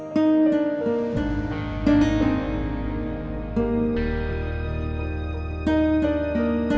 jangan kerjam oke